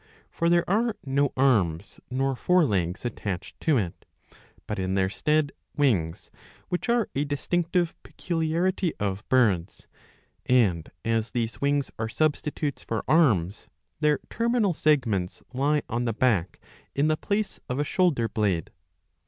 For there are no arms nor fore legs attached to it, but in their stead wings, which are a distinctive peculiarity of birds; and, as these wings are substitutes for arms, their terminal seg ments lie on the back in the place of a shoulder blade.